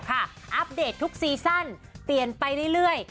อัปเดตทุกซีซั่นเปลี่ยนไปเรื่อย